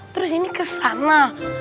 terus ini ke sana